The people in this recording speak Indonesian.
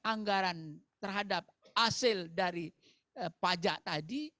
anggaran terhadap hasil dari pajak tadi